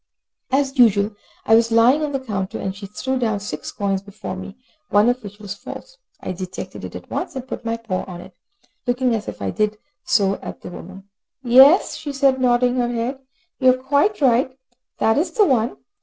As usual, I was lying on the counter, and she threw down six coins before me, one of which was false. I detected it at once, and put my paw on it, looking as I did so at the woman. "Yes," she said, nodding her head. "You are quite right, that is the one."